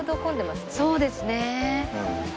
そうですね。